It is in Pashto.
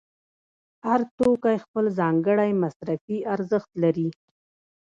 هر توکی خپل ځانګړی مصرفي ارزښت لري